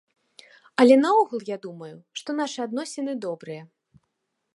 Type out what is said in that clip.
Але наогул я думаю, што нашы адносіны добрыя.